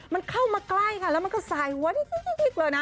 มันเข้ามาใกล้ค่ะแล้วมันก็สายหัว